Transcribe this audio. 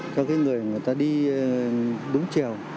cho cái người người ta đi đúng trèo